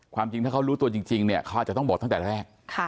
จริงถ้าเขารู้ตัวจริงเนี่ยเขาอาจจะต้องบอกตั้งแต่แรก